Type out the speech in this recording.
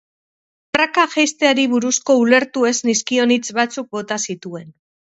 Praka jaisteari buruzko ulertu ez nizkion hitz batzuk bota zituen.